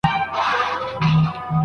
د ساینس په څانګه کي حالت بیخي بل ډول دی.